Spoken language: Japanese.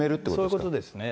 そういうことですね。